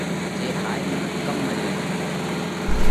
جي هائي منک ڪم مري ڳيو؟ ُ